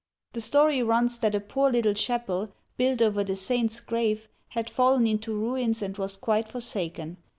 The story runs that a poor little chapel, built over the saint's grave, had fallen into ruins and was quite forsaken.